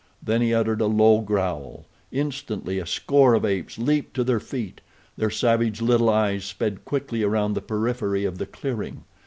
Then he uttered a low growl. Instantly a score of apes leaped to their feet. Their savage little eyes sped quickly around the periphery of the clearing.